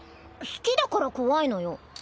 好きだから怖いのよ。